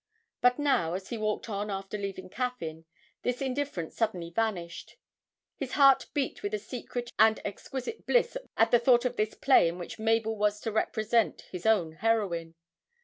But now, as he walked on after leaving Caffyn, this indifference suddenly vanished; his heart beat with a secret and exquisite bliss, as he thought of this play in which Mabel was to represent his own heroine.